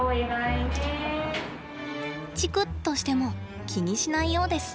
チクッとしても気にしないようです。